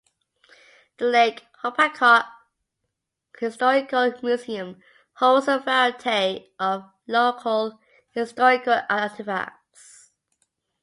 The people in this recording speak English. The Lake Hopatcong Historical Museum holds a variety of local historical artifacts.